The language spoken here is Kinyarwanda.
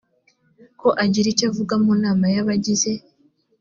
ko agira icyo avuga mu nama y abagize